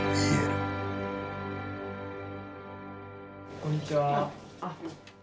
こんにちは。